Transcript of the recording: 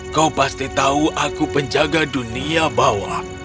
kau pasti tahu aku penjaga dunia bawah